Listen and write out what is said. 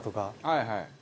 はいはい。